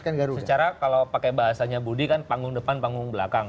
secara kalau pakai bahasanya budi kan panggung depan panggung belakang